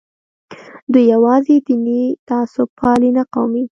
دوی یوازې دیني تعصب پالي نه قومي.